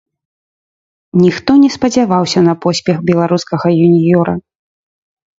Ніхто не спадзяваўся на поспех беларускага юніёра.